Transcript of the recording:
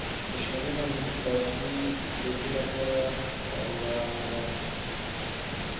نشنلیزم افراطی به بالاخره او را هلاک کړي.